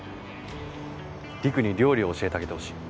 りくに料理を教えてあげてほしい。